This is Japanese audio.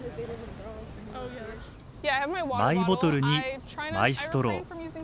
マイボトルにマイストロー。